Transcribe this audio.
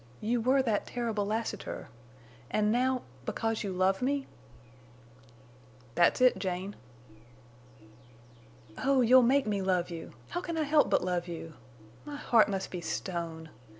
You were that terrible Lassiter! And now—because you love me?" "That's it, Jane." "Oh, you'll make me love you! How can I help but love you? My heart must be stone.